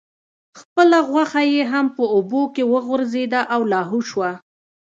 خپله غوښه یې هم په اوبو کې وغورځیده او لاهو شوه.